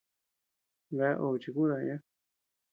Bea obe chikudaya.